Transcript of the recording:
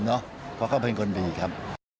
เพราะเขาเป็นคนดีครับ